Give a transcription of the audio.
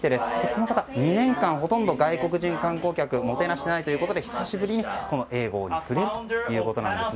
この方、２年間ほとんど外国人観光客をもてなしていないということで久しぶりに英語に触れるということです。